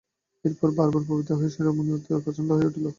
এইরূপ বার বার প্রতিহত হইয়া সেই রমণী অতি প্রচণ্ডা হইয়া উঠিল।